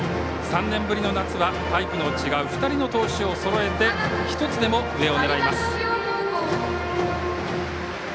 ３年ぶりの夏は、タイプの違う２人の投手をそろえて１つでも上を狙います。